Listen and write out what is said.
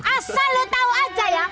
asal lo tau aja ya